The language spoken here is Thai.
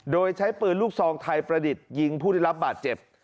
โดยใช้ปืนลูกซองไทยประดิษฐ์ยิงผู้ได้รับบาดเจ็บ